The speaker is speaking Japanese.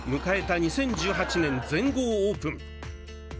２０１８年、全豪オープン。